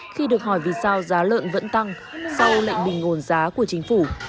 khi được hỏi vì sao giá lợn vẫn tăng sau lệnh bình ổn giá của chính phủ